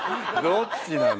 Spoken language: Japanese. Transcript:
どっちなの？